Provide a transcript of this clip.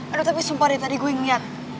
aduh tapi sumpah deh tadi gue yang liat